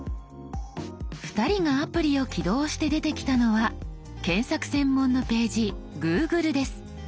２人がアプリを起動して出てきたのは検索専門のページ「Ｇｏｏｇｌｅ」です。